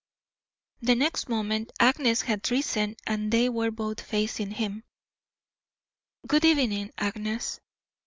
The next moment Agnes had risen and they were both facing him. "Good evening, Agnes."